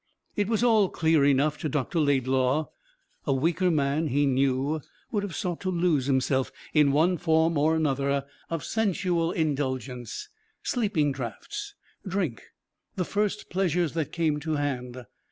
It was all clear enough to Dr. Laidlaw. A weaker man, he knew, would have sought to lose himself in one form or another of sensual indulgence sleeping draughts, drink, the first pleasures that came to hand.